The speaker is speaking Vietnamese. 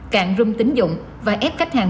cạn rung tính dụng và ép khách hàng